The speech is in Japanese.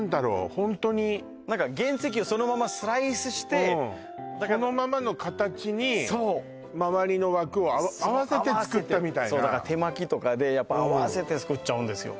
ホントに何か原石をそのままスライスしてそのままの形にそう周りの枠を合わせて作ったみたいなそうだから手巻きとかで合わせて作っちゃうんですよ